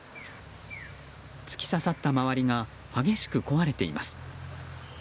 突き刺さった周りが激しく壊れています。